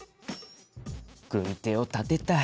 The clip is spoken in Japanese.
軍手を立てたい。